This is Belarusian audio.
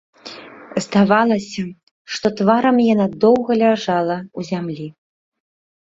Здавалася, што тварам яна доўга ляжала ў зямлі.